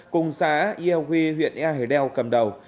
cùng xã yà huy huyện yà hời đeo cầm đầu